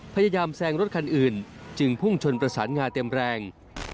พยายามแซงรถคันอื่นจึงพุ่งชนประสานงาเต็มแรง